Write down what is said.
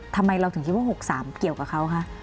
ทำไมเราถึงคิดว่า๖๓เกี่ยวกับเขาคะ